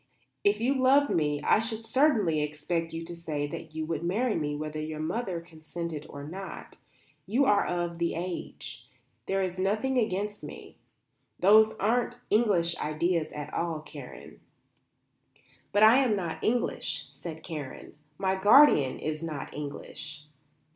"If you loved me I should certainly expect you to say that you would marry me whether your mother consented or not. You are of age. There is nothing against me. Those aren't English ideas at all, Karen." "But I am not English," said Karen, "my guardian is not English.